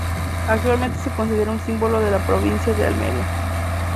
Actualmente se considera un símbolo de la provincia de Almería.